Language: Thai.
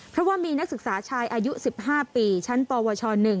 เพราะว่ามีนักศึกษาชายอายุ๑๕ปีชั้นปวช๑